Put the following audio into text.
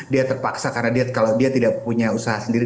dia terpaksa karena dia kalau dia tidak punya usaha sendiri